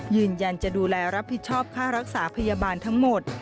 ยืนยันจะดูแลรับผิดชอบค่ารักษาพยาบาลทั้งหมด